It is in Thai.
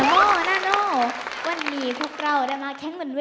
โปรดติดตามตอนต่อไป